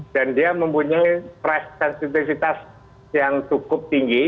dan dia mempunyai price sensitivitas yang cukup tinggi